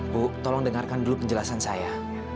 bu tolong dengarkan dulu penjelasan saya